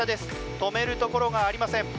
止めるところがありません。